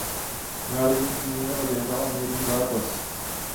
V národním týmu neodehrál ani jeden zápas.